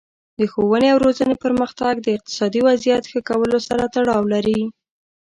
د ښوونې او روزنې پرمختګ د اقتصادي وضعیت ښه کولو سره تړاو لري.